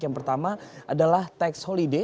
yang pertama adalah tax holiday